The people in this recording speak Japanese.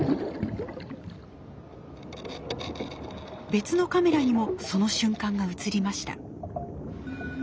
別のカメラにもその瞬間が写りました。